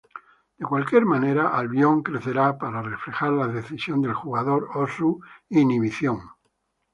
De cualquier manera, Albion crecerá para reflejar la decisión del jugador o su inhibición.